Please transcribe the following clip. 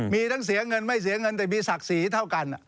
มีทั้งเสียเงินไม่เสียเงินแต่มีศักดิ์ศรีเท่ากัน